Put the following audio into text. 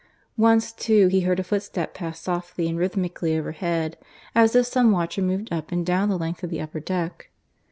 Once too he heard a footstep pass softly and rhythmically overhead, as if some watcher moved up and down the length of the upper deck.